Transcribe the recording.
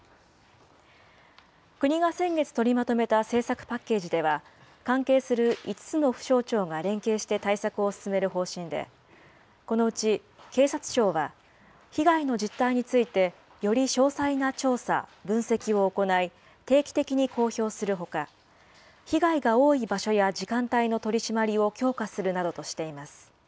国が先月取りまとめた政策パッケージでは、関係する５つの府省庁が連携して対策を進める方針で、このうち、警察庁は、被害の実態について、より詳細な調査・分析を行い、定期的に公表するほか、被害が多い場所や時間帯の取締りを強化するなどとしています。